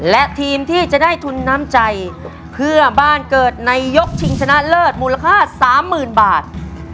และทีมที่จะได้ทุนน้ำใจเพื่อบ้านเกิดในยกชิงชนะเลิศมูลค่าสามหมื่นบาท